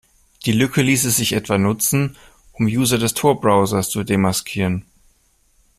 Die Lücke ließe sich etwa nutzen, um User des Tor-Browsers zu demaskieren.